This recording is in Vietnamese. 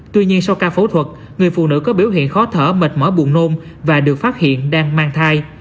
tuy nhiên sau ca phẫu thuật người phụ nữ có biểu hiện khó thở mệt mỏi buồn nôn và được phát hiện đang mang thai